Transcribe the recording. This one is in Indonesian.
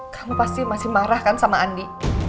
kamu pasti masih marah kan sama andi